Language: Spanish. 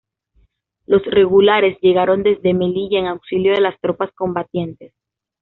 Los Regulares llegaron desde Melilla en auxilio de las tropas combatientes.